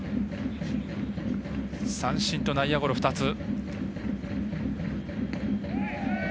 三振と内野ゴロ２つ。